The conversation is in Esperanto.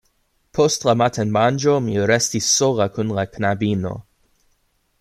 Post la matenmanĝo mi restis sola kun la knabino.